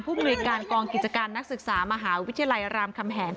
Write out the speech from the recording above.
มนุยการกองกิจการนักศึกษามหาวิทยาลัยรามคำแหง